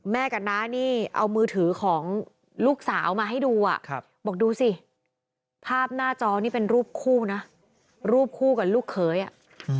กับน้านี่เอามือถือของลูกสาวมาให้ดูอ่ะบอกดูสิภาพหน้าจอนี่เป็นรูปคู่นะรูปคู่กับลูกเขยอ่ะ